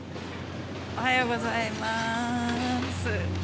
おはようございます。